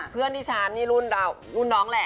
เพื่อนที่ฉันนี่รุ่นน้องแหละ